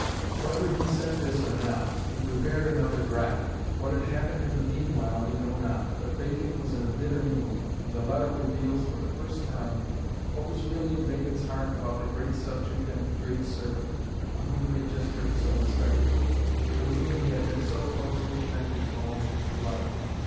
Whether he sent this or not, he prepared another draft. What had happened in the mean while we know not, but Bacon was in a bitter mood, and the letter reveals, for the first time, what was really in Bacon's heart about the "great subject and great servant," of whom he had just written so respectfully, and with whom he had been so closely connected for most of his life.